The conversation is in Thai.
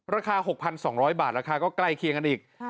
ราคา๖๒๐๐บาทราคาก็ใกล้เคียงกันอีก